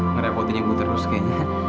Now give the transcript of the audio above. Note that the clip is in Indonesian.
ngerepotin ibu terus kayaknya